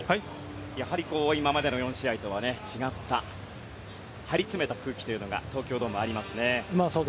やはり今までの４試合とは違った張り詰めた空気が東京ドームにありますね。